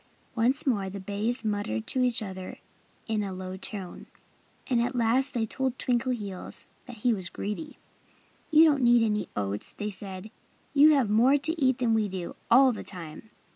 Once more the bays muttered to each other in a low tone. And at last they told Twinkleheels that he was greedy. "You don't need any oats," they said. "You have more to eat than we do, all the time."